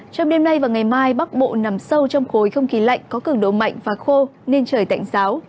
trong đêm nay và ngày mai bắc bộ nằm sâu trong khối không khí lạnh có cường độ mạnh và khô nên trời tạnh giáo